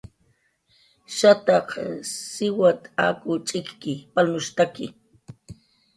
Shataq siwat akw ch'ikki palnushtaki